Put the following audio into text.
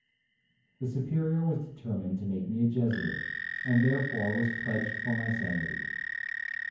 The Superior was determined to make me a Jesuit, and therefore was pledged for my sanity.